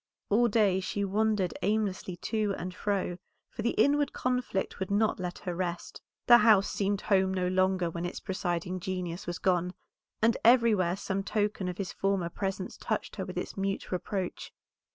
All day she wandered aimlessly to and fro, for the inward conflict would not let her rest. The house seemed home no longer when its presiding genius was gone, and everywhere some token of his former presence touched her with its mute reproach.